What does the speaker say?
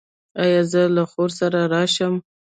ایا زه له خور سره راشم؟